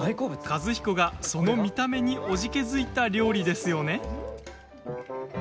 和彦がその見た目におじけづいた料理ですよね？